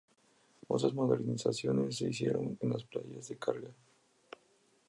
Otras modernizaciones se hicieron en las playas de carga.